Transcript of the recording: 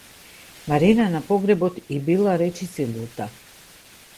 Марина на погребот ѝ била речиси лута.